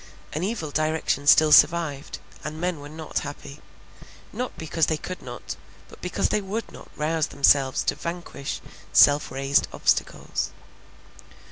An evil direction still survived; and men were not happy, not because they could not, but because they would not rouse themselves to vanquish self raised obstacles.